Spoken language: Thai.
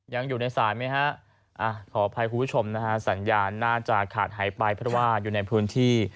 อยู่ในสายไหมฮะขออภัยคุณผู้ชมนะฮะสัญญาณน่าจะขาดหายไปเพราะว่าอยู่ในพื้นที่